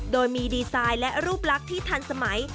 โดยมีดีไซน์และรูปลักษณ์ที่ทันสมัย